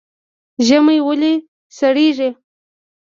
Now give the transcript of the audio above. ژمی ولې سړیږي؟